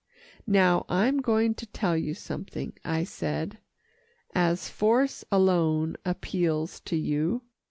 "Now I'm going to tell you something," I said, "as force alone appeals to you.